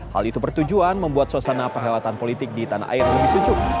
hal itu bertujuan membuat suasana perhelatan politik di tanah air lebih sujuk